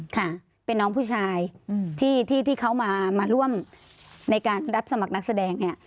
ค่ะเป็นน้องผู้ชายที่ที่เขามาร่วมในการรับสมัครนักแสดงเนี่ย